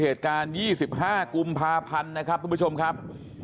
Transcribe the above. เหตุการณ์๒๕กภนะครับคุณผู้ชมครับ